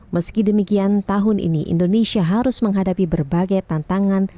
meski demikian tahun ini indonesia harus menghadapi berbagai tantangan